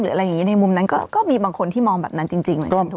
หรืออะไรอย่างนี้ในมุมนั้นก็มีบางคนที่มองแบบนั้นจริง